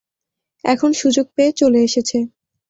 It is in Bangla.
এখন সুযোগ পেয়ে চলে এসেছে।